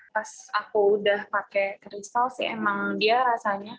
pas aku udah pakai kristal sih emang dia rasanya